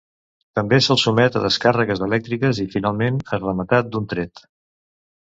També se'l sotmet a descàrregues elèctriques i finalment és rematat d'un tret.